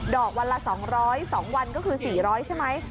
อกวันละ๒๐๒วันก็คือ๔๐๐ใช่ไหม